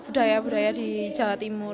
budaya budaya di jawa timur